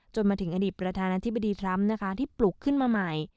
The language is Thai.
มาถึงอดีตประธานาธิบดีทรัมป์นะคะที่ปลุกขึ้นมาใหม่